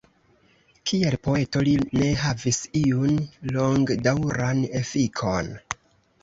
Kiel poeto li ne havis iun longdaŭran efikon.